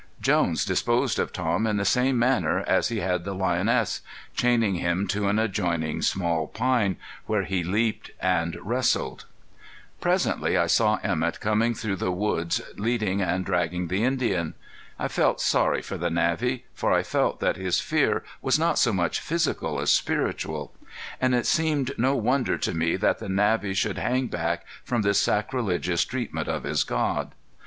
Jones disposed of Tom in the same manner as he had the lioness, chaining him to an adjoining small pine, where he leaped and wrestled. Presently I saw Emett coming through the woods leading and dragging the Indian. I felt sorry for the Navvy, for I felt that his fear was not so much physical as spiritual. And it seemed no wonder to me that the Navvy should hang back from this sacrilegious treatment of his god.